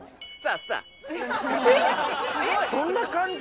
そんな感じ？